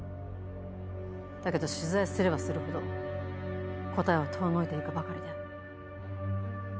だけど取材すればするほど答えは遠のいて行くばかりで。